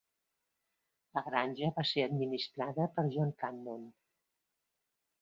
La granja va ser administrada per John Cannon.